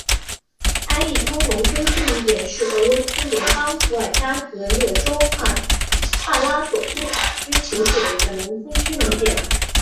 埃利通农村居民点是俄罗斯联邦伏尔加格勒州帕拉索夫卡区所属的一个农村居民点。